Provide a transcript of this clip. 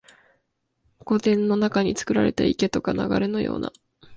御殿の中につくられた池とか流れのような、